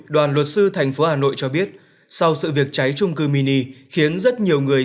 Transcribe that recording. đoàn luật sư thành phố hà nội cho biết sau sự việc cháy trung cư mini khiến rất nhiều người